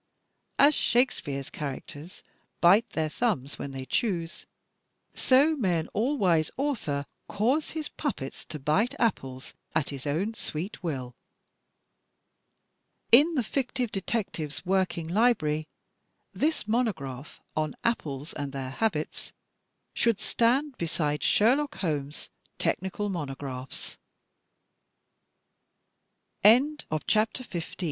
As Shakespeare's characters bite their thumbs when they choose, so may an all wise author cause his puppets to bite apples at his own sweet will. In the Fictive Detectives' Working Library, this Mono graph on Apples and their Habits should stand beside Sher lock Holmes technical m